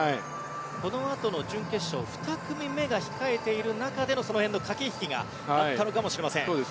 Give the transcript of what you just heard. このあとの準決勝２組目が控えている中でのその辺の駆け引きがあったのかもしれません。